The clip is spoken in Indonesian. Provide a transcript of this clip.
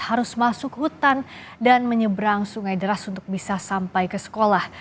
harus masuk hutan dan menyeberang sungai deras untuk bisa sampai ke sekolah